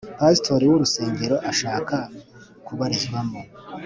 Pasitori w urusengero ashaka kubarizwamo